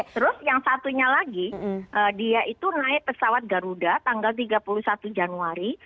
terus yang satunya lagi dia itu naik pesawat garuda tanggal tiga puluh satu januari